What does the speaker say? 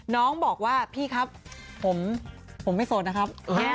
น้องบอกว่าพี่ครับผมไม่โสดนะครับ